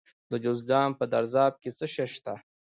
د جوزجان په درزاب کې څه شی شته؟